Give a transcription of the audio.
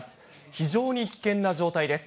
非常に危険な状態です。